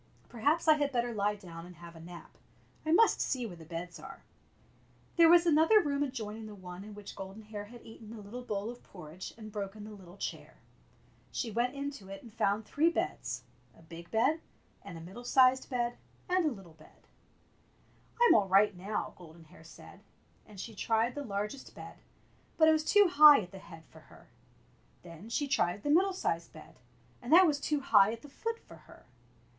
Perhaps I had better lie down and have a nap. I must see where the beds are," There was another room adjoining the one in which Golden Hair had eaten the little bowl of porridge and broken the little chair. She went into it and found three beds — a big bed, and a middle sized bed, and a little bed. "I'm all right now," Golden Hair said; and she tried the largest bed, but it was too high at the head for her. Then she tried the middle sized bed, and that was too high at the foot for her.